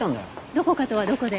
どこかとはどこで？